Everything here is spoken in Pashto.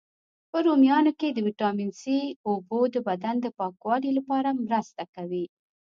په رومیانو کی د ویټامین C، اوبو د بدن د پاکوالي لپاره مرسته کوي.